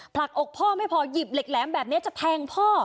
ผลักอกพ่อไม่พอหยิบเหล็กแหลมแบบนี้จะแทงพ่อ